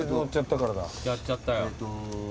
やっちゃったよ。